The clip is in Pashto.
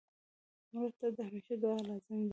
مړه ته د همېشه دعا لازم ده